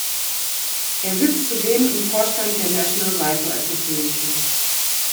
Er sitzt zudem im Vorstand der National Rifle Association.